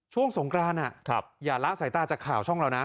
สงกรานอย่าละสายตาจากข่าวช่องเรานะ